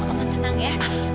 oma oma tenang ya